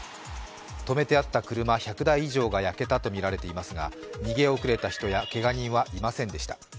止めてあった車およそ１００台以上が焼けたとみられていますが、逃げ遅れた人やけが人はいませんでした。